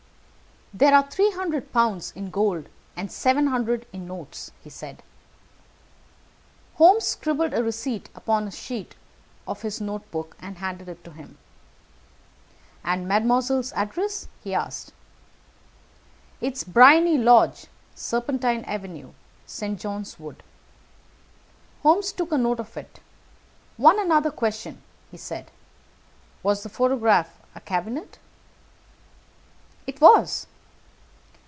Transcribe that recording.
"There are three hundred pounds in gold, and seven hundred in notes," he said. Holmes scribbled a receipt upon a sheet of his notebook, and handed it to him. "And mademoiselle's address?" he asked. "Is Briony Lodge, Serpentine Avenue, St. John's Wood." Holmes took a note of it. "One other question," said he, thoughtfully. "Was the photograph a cabinet?" "It was."